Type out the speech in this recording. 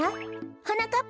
はなかっ